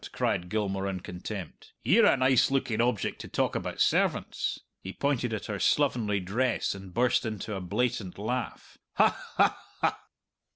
cried Gilmour in contempt. "Ye're a nice looking object to talk about servants." He pointed at her slovenly dress and burst into a blatant laugh: "Huh, huh, huh!"